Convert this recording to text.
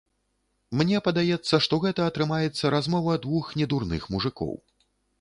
Мне падаецца, што гэта атрымаецца размова двух недурных мужыкоў.